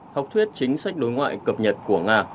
học thuyết chính sách đối ngoại cập nhật của nga